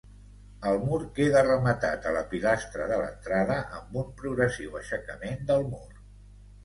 El mur queda rematat a la pilastra de l'entrada amb un progressiu aixecament del mur.